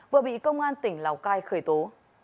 vừa bị công an tỉnh lào cai khởi tố